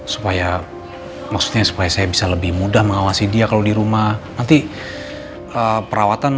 supaya maksudnya supaya saya bisa lebih mudah mengawasi dia kalau di rumah nanti perawatan